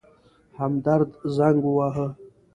همدرد زنګ وواهه.